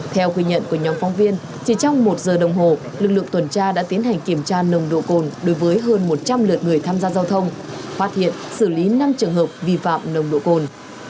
theo quy nhận của nhóm phóng viên chỉ trong một giờ đồng hồ lực lượng tuần tra đã tiến hành kiểm tra nồng độ cồn đối với hơn một trăm linh lượt người tham gia giao thông phát hiện xử lý năm trường hợp vi phạm nồng độ cồn